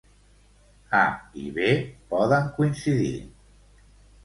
"A" i "B" poden coincidir.